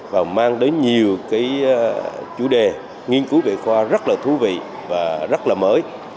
và mang đến nhiều cái chủ đề nghiên cứu về khoa rất là thú vị và rất là mới